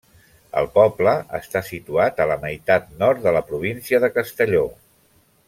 El poble està situat a la meitat nord de la província de Castelló.